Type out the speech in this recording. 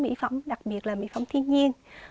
mỹ phẩm đặc biệt là mỹ phẩm thiên nhiên